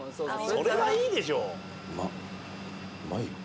それはいいでしょ。